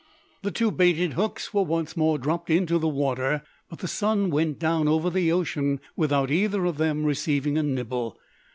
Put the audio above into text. The two baited hooks were once more dropped into the water, but the sun went down over the ocean without either of them receiving a nibble.